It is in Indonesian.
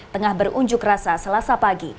tengah berunjuk rasa selasa pagi